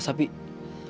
kakak udah kenyang